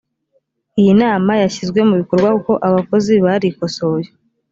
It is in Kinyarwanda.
iyi nama yashyizwe mu bikorwa kuko abakozi barikosoye